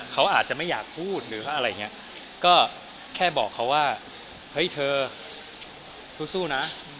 เขาอาจจะไม่อยากพูดหรืออะไรอย่างนี้ก็แค่บอกเขาว่าเฮ้ยเธอสู้นะ